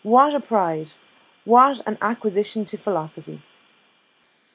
what a pride what an acquisition to philosophy!"